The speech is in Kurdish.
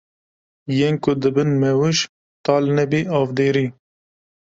Yên ku dibin mewûj talnebî, avdêrî